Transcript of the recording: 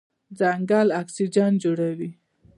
ځنګل اکسیجن جوړوي.